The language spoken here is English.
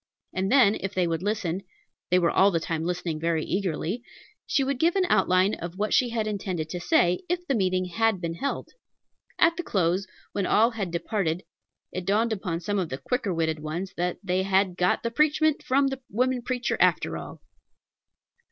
And then, if they would listen, they were all the time listening very eagerly, she would give an outline of what she had intended to say, if the meeting had been held. At the close, when all had departed, it dawned upon some of the quicker witted ones that they "had got the preachment from the woman preacher, after all."